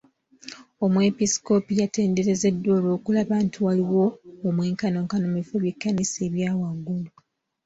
Omwepiskoopi yatenderezeddwa olw'okulaba nti waliwo omwenkanonkano mu bifo by'ekkanisa ebya waggulu.